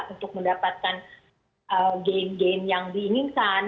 untuk mendapatkan gain gain yang diinginkan